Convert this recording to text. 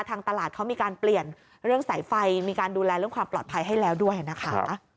ทางตลาดเขามีการเปลี่ยนเรื่องสายไฟมีการดูแลเรื่องความปลอดภัยให้แล้วด้วยนะคะ